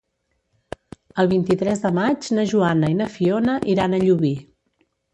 El vint-i-tres de maig na Joana i na Fiona iran a Llubí.